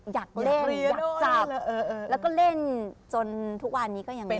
อยากเล่นอยากจับแล้วก็เล่นจนทุกวันนี้ก็ยัง